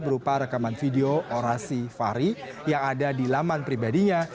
berupa rekaman video orasi fahri yang ada di laman pribadinya